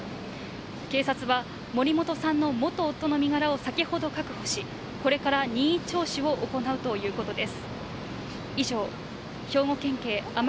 警察は森元さんの元夫の身柄を先ほど確保し、これから任意聴取を行うということです。